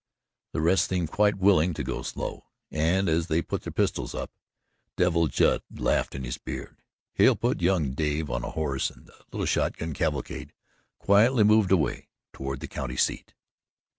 The rest seemed quite willing to go slow, and, as they put their pistols up, Devil Judd laughed in his beard. Hale put young Dave on a horse and the little shotgun cavalcade quietly moved away toward the county seat.